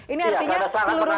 iya karena sangat menghasilkan